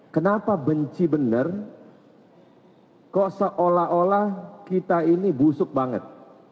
kenapa benci benar kok seolah olah kita ini busuk banget